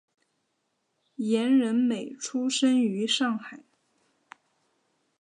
严仁美出生于上海。